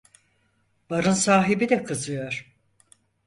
Barın sahibi de kızıyor…